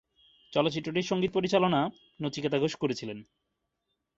চলচ্চিত্রটির সংগীত পরিচালনা নচিকেতা ঘোষ করেছিলেন।